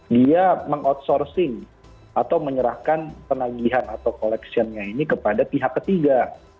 dia meng outsourcing atau menyerahkan penagihan atau collection nya ini kepada pihak ketiga